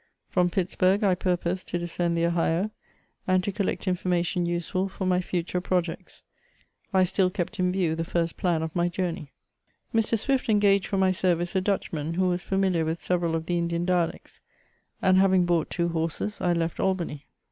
From Pittsburg I purposed to descend the Ohio, and to collect information useful for my future projects. I still kept in view the first plan of my journey. Mr. Swift engageci .for my service a Dutchman who was familiar with several of the Indian dialects ; and having bought two horses, I left Albany.